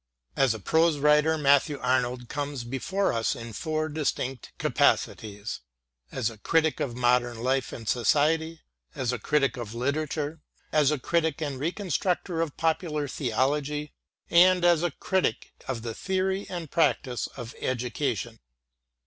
As a prose writer Matthew Arnold comes betore us in four distinct capacities : as a critic of modern life and society, as a critic of literature, as a critic and reconstructor of popular theology, as a critic of the theory and practice of education.